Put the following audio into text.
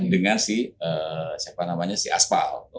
dengan si siapa namanya si aspal